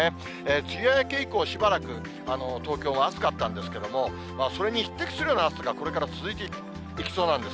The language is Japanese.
梅雨明け以降、しばらく東京は暑かったんですけれども、それに匹敵するような暑さがこれから続いていきそうなんです。